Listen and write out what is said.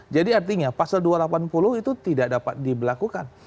jadi artinya pasal dua ratus delapan puluh itu tidak dapat diberlakukan